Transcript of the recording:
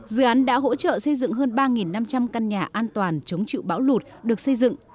dự án đã hỗ trợ xây dựng hơn ba năm trăm linh căn nhà an toàn chống chịu bão lụt được xây dựng